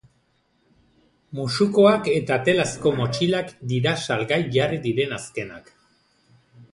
Musukoak eta telazko motxilak dira salgai jarri diren azkenak.